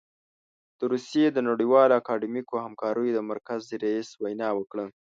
د روسيې د نړیوالو اکاډمیکو همکاریو د مرکز رییس وینا وکړه.